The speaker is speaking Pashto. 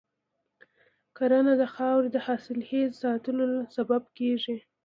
کرنه د خاورې د حاصلخیز ساتلو سبب کېږي.